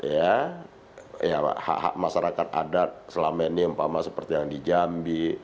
ya hak hak masyarakat adat selama ini umpama seperti yang di jambi